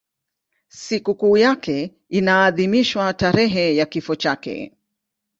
Sikukuu yake inaadhimishwa tarehe ya kifo chake.